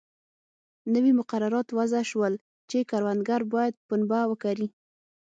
نوي مقررات وضع شول چې کروندګر باید پنبه وکري.